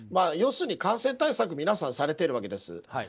要するに感染対策を皆さんされているわけです。